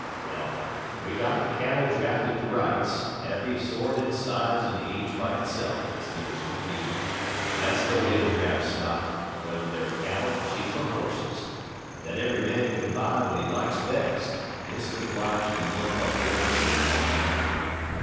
Well, we got the cattle drafted to rights, every sort and size and age by itself, as near as could be. That's the way to draft stock, whether they're cattle, sheep, or horses; then every man can buy what he likes best, and isn't obliged to lump up one sort with another.